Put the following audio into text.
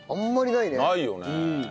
ないよね。